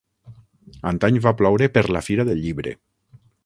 Antany va ploure per la Fira del Llibre.